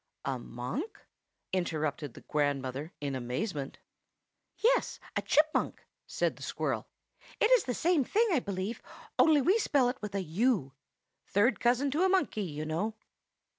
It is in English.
"A monk?" interrupted the grandmother in amazement. "Yes, a Chipmunk!" said the squirrel. "It's the same thing, I believe, only we spell it with a u. Third cousin to a monkey, you know."